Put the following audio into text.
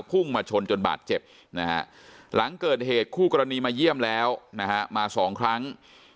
พุ่งมาชนจนบาดเจ็บนะฮะหลังเกิดเหตุคู่กรณีมาเยี่ยมแล้วนะฮะมาสองครั้ง